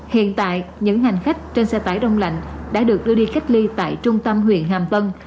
hiện tại những hành khách trên xe tải đông lạnh đã được đưa đi cách ly tại trung tâm huyện hàm tân